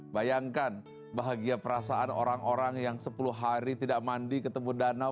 bayangkan bahagia perasaan orang orang yang sepuluh hari tidak mandi ketemu danau